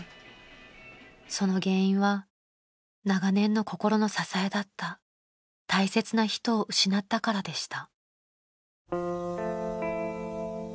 ［その原因は長年の心の支えだった大切な人を失ったからでした］